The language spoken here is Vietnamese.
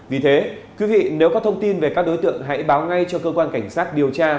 vì thế quý vị nếu có thông tin về các đối tượng hãy báo ngay cho cơ quan cảnh sát điều tra